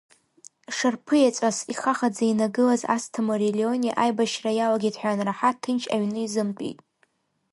Шарԥыеҵәас ихахаӡа инагылаз Асҭамыри Леони аибашьра иалагеит ҳәа анраҳа ҭынч аҩны изымтәеит.